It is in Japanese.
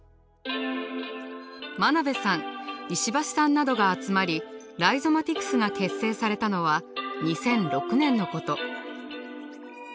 真鍋さん石橋さんなどが集まりライゾマティクスが結成されたのは２００６年のこと。